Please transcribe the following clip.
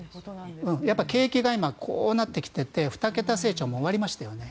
景気が今こうなってきていて２桁成長も終わりましたよね。